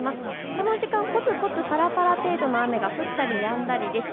この時間、ぽつぽつぱらぱら程度の雨が降ったり、やんだりです。